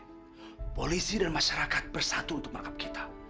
karena polisi dan masyarakat bersatu untuk menangkap kita